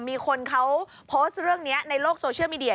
มีคนเขาโพสต์เรื่องนี้ในโลกโซเชียลมีเดีย